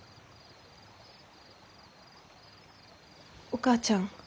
お母ちゃん。